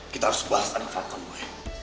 kita harus balas sama falcon boy